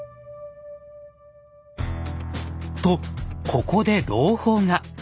とここで朗報が！